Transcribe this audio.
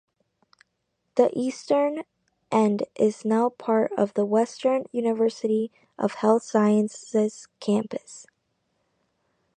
The eastern end is now part of the Western University of Health Sciences campus.